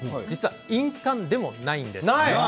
印鑑でもないんです。